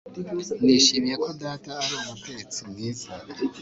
Nishimiye ko data ari umutetsi mwiza